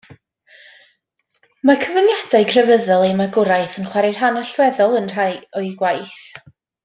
Mae cyfyngiadau crefyddol ei magwraeth yn chwarae rhan allweddol yn rhai o'i gwaith.